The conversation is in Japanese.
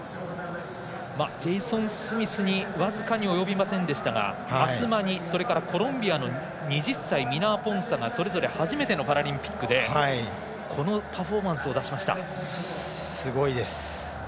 ジェイソン・スミスに僅かに及びませんでしたがアスマニ、それからコロンビアの２０歳ミナアポンサがそれぞれ初めてのパラリンピックですごいです。